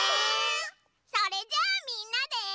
それじゃあみんなで。